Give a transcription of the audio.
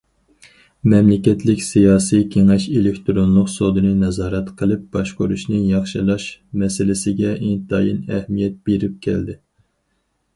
مەملىكەتلىك سىياسىي كېڭەش ئېلېكتىرونلۇق سودىنى نازارەت قىلىپ باشقۇرۇشنى ياخشىلاش مەسىلىسىگە ئىنتايىن ئەھمىيەت بېرىپ كەلدى.